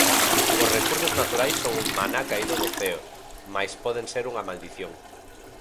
Os recursos naturais son un maná caído do ceo, mais poden ser unha maldición.